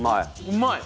うまい！